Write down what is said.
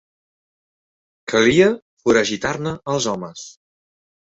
Calia foragitar-ne els homes